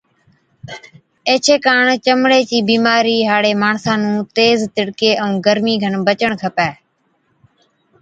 ايڇي ڪاڻ چمڙي چِي بِيمارِي هاڙي ماڻسا نُون تيز تِڙڪي ائُون گرمِي کن بَچڻ کپَي